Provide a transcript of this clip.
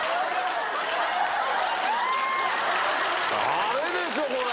・ダメでしょこれ！